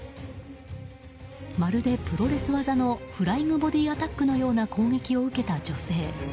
まるでプロレス技のフライング・ボディ・アタックのような攻撃を受けた女性。